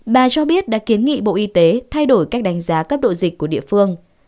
bà cho biết đã kiến nghị bộ y tế thay đổi cách đánh giá cấp độ dịch của địa phương